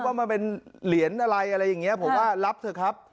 ว่ามันเป็นเหรียญอะไรอะไรอย่างนี้ผมว่ารับเถอะครับ